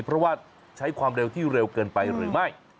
เพราะว่าใช้ความเร็วที่เร็วเกินไปหรือไม่